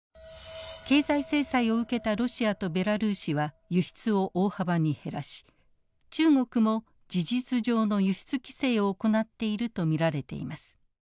経済制裁を受けたロシアとベラルーシは輸出を大幅に減らし中国も事実上の輸出規制を行っていると見られています。